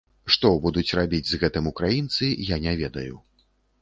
Што будуць рабіць з гэтым украінцы, я не ведаю.